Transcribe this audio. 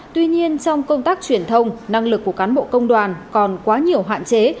tuy nhiên trong công tác truyền thông năng lực của cán bộ công đoàn còn quá nhiều hạn chế